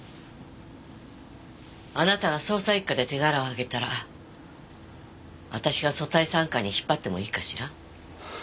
あなたが捜査一課で手柄を上げたら私が組対三課に引っ張ってもいいかしら？